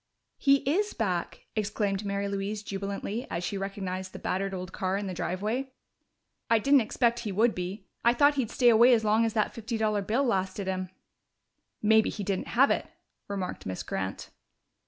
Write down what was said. "He is back!" exclaimed Mary Louise jubilantly as she recognized the battered old car in the driveway. "I didn't expect he would be. I thought he'd stay away as long as that fifty dollar bill lasted him." "Maybe he didn't have it," remarked Miss Grant.